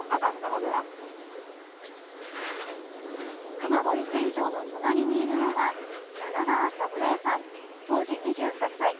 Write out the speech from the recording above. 熊凝船長の隣にいるのが柳川三郎さん、当時２８歳。